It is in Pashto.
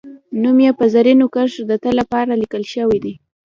نوم یې په زرینو کرښو د تل لپاره لیکل شوی دی